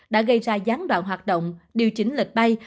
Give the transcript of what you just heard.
đã gây ra gián đoạn hoạt động điều chỉnh lịch bay